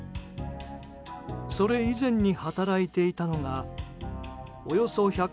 それ以前に働いていたのがおよそ１３０ｋｍ